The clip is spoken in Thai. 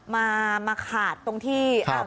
มาขาดตรงที่ครับ